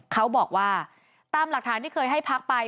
เขาบอกว่าตามหลักฐานที่เคยให้พักไป